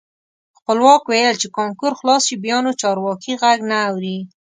خپلواک ویل چې کانکور خلاص شي بیا نو چارواکي غږ نه اوري.